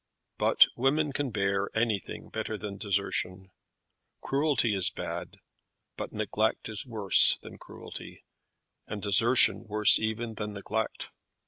But women can bear anything better than desertion. Cruelty is bad, but neglect is worse than cruelty, and desertion worse even than neglect.